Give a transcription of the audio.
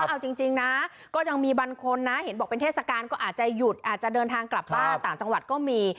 เอาจริงนะก็ยังมีบางคนนะเห็นบอกเป็นเทศกาลก็อาจจะหยุดอาจจะเดินทางกลับบ้านต่างจังหวัดก็มี